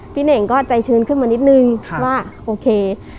เน่งก็ใจชื้นขึ้นมานิดนึงว่าโอเค